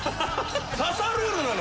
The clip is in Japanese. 『刺さルール』なの？